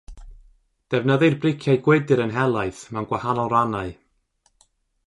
Defnyddir briciau gwydr yn helaeth mewn gwahanol rannau.